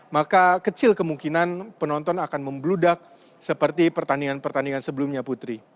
maka kecil kemungkinan penonton akan membludak seperti pertandingan pertandingan sebelumnya putri